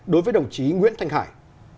đối với đồng chí nguyễn thanh hải